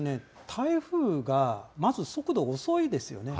台風がまず速度、遅いですよね。